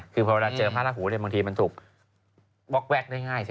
คือพอเวลาเจอพระราหูบางทีมันถูกวอกแวกได้ง่ายสิ